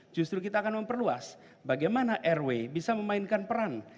justru kita akan memperluas bagaimana rw bisa memainkan peran